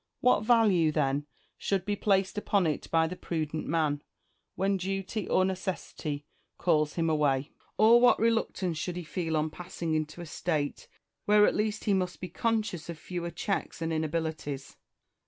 What value, then, should be placed upon it by the prudent man, when duty or necessity calls him away 1 Or what reluctance should he feel on passing into a state where at least he must be conscious of fewer checks and inabilities?